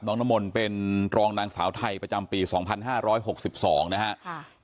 น้องน้ำมนต์เป็นรองนางสาวไทยประจำปี๒๕๖๒นะฮะ